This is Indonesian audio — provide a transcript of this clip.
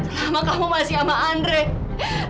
selama kamu masi ama andrei